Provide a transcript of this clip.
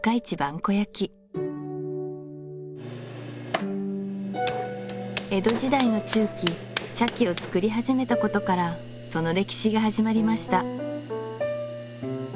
古焼江戸時代の中期茶器を作り始めたことからその歴史が始まりました